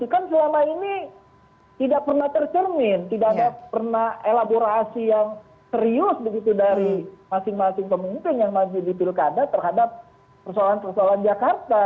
kan selama ini tidak pernah tercermin tidak ada pernah elaborasi yang serius begitu dari masing masing pemimpin yang masih di pilkada terhadap persoalan persoalan jakarta